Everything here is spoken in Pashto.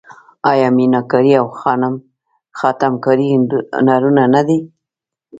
آیا میناکاري او خاتم کاري هنرونه نه دي؟